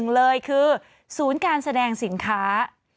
เลยคือศูนย์การแสดงสินค้า